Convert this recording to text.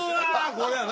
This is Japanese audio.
これやな。